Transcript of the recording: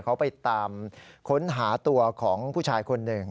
เขาไปตามค้นหาตัวของผู้ชายคนหนึ่ง